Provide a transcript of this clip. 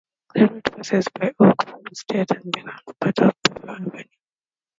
The route passes by Oak Point State Park, and becomes part of Bayview Avenue.